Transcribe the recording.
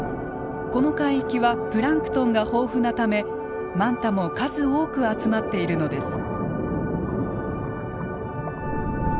この海域はプランクトンが豊富なためマンタも数多く集まっているのです。